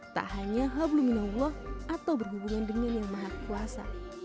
tak hanya hablum minallah atau berhubungan dengan yang mahat kuasa